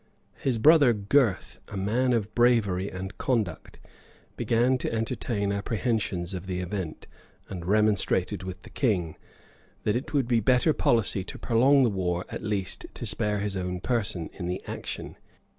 His brother Gurth, a man of bravery and conduct, began to entertain apprehensions of the event; and remonstrated with the king, that it would be better policy to prolong the war; at least, to spare his own person in the action.